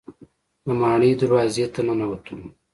د ماڼۍ دروازې ته ننوتلو.